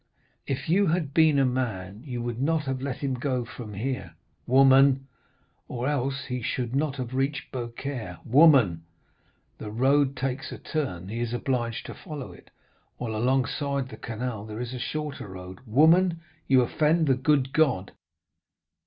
"'If you had been a man, you would not have let him go from here.' "'Woman!' "'Or else he should not have reached Beaucaire.' "'Woman!' "'The road takes a turn—he is obliged to follow it—while alongside of the canal there is a shorter road.' "'Woman!—you offend the good God.